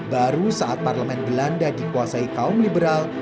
baru saat parlemen belanda dikuasai kaum liberal